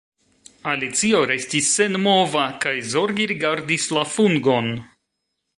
Alicio restis senmova kaj zorge rigardis la fungon.